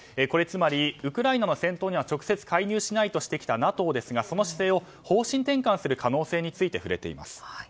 これはつまりウクライナの戦闘には直接介入しないとしてきたＮＡＴＯですがその姿勢を方針転換する可能性について触れています。